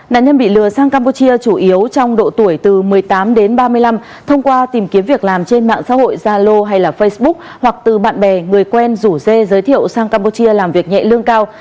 nạn nhân bị lừa sang campuchia chủ yếu trong độ tuổi từ một mươi tám đến ba mươi năm thông qua tìm kiếm việc làm trên mạng xã hội zalo hay facebook hoặc từ bạn bè người quen rủ dê giới thiệu sang campuchia làm việc nhẹ lương cao